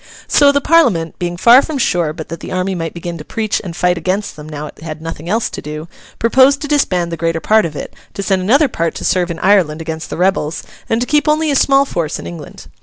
So, the Parliament, being far from sure but that the army might begin to preach and fight against them now it had nothing else to do, proposed to disband the greater part of it, to send another part to serve in Ireland against the rebels, and to keep only a small force in England.